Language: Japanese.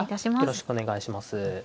よろしくお願いします。